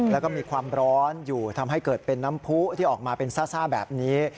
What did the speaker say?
แล้วก็มีความร้อนอยู่ทำให้เกิดเป็นน้ำผู้ที่ออกมาเป็นซ่าแบบนี้